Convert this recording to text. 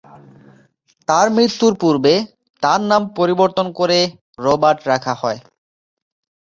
তার মৃত্যুর পূর্বে তার নাম পরিবর্তন করে "রবার্ট" রাখা হয়।